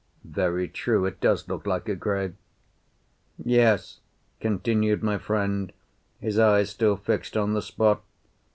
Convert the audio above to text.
"Very true. It does look like a grave." "Yes," continued my friend, his eyes still fixed on the spot.